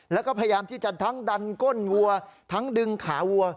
แล้วก็พยายามที่จะทั้งดันก้นวัวทั้งดึงขาวัว